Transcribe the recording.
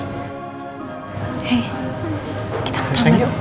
hei kita ke taman yuk